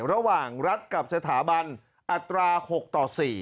รัฐกับสถาบันอัตรา๖ต่อ๔